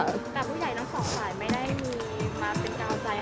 แล้วผู้ใหญ่นางสองหลายไม่มีมาเป็นกล้าวใจ